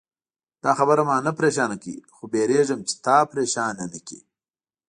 دا خبره ما نه پرېشانه کوي، خو وېرېږم چې تا پرېشانه نه کړي.